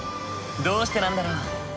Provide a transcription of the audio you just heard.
どうしてなんだろう？